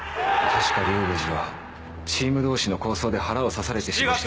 確か龍宮寺はチーム同士の抗争で腹を刺されて死亡してます